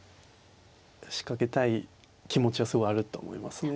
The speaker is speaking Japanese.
仕掛けたい気持ちはすごいあると思いますね。